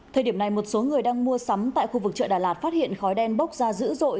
thời điểm này một số người đang mua sắm tại khu vực chợ đà lạt phát hiện khói đen bốc ra dữ dội